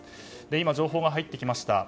今、情報が入ってきました。